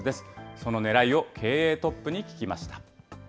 そのねらいを経営トップに聞きました。